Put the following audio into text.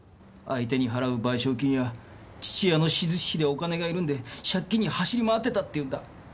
相手に払う賠償金や父親の手術費でお金がいるので借金に走り回ってたって言うんだ。